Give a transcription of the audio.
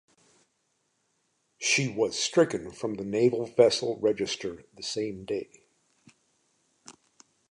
She was stricken from the Naval Vessel Register the same day.